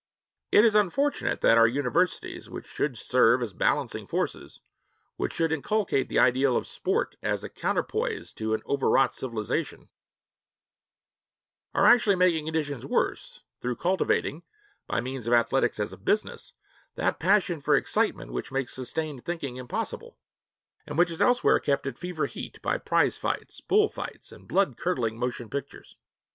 It is unfortunate that our universities, which should serve as balancing forces, which should inculcate the ideal of sport as a counterpoise to an overwrought civilization, are actually making conditions worse through cultivating, by means of athletics as a business, that passion for excitement which makes sustained thinking impossible and which is elsewhere kept at fever heat by prize fights, bullfights, and blood curdling motion pictures.